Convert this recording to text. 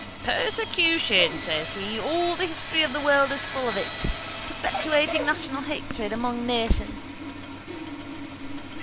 —Persecution, says he, all the history of the world is full of it. Perpetuating national hatred among nations.